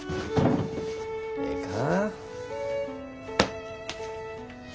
ええか？